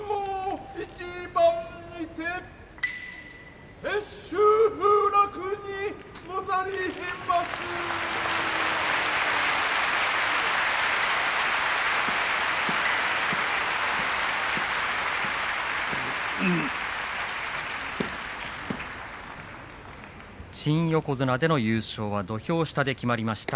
拍手新横綱での優勝は土俵下で決まりました